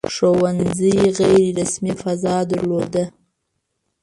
• ښوونځي غیر رسمي فضا درلوده.